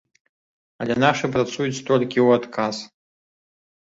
Але нашы працуюць толькі ў адказ.